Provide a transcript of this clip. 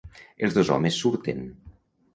Els dos homes surten.